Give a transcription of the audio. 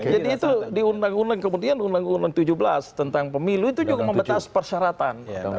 jadi itu di undang undang kemudian undang undang tujuh belas tentang pemilu itu juga membatasi persyaratan